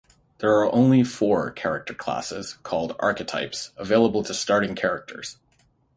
There are only four character classes, called "Archetypes", available to starting characters.